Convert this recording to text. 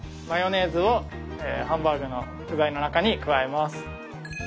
マヨネーズをハンバーグの具材の中に加えます。